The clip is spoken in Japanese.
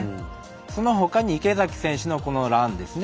そのほかに池崎選手のこのランですね。